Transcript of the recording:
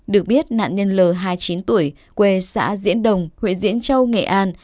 được biết nạn nhân l hai mươi chín tuổi quê xã diễn đồng huyện diễn châu nghệ an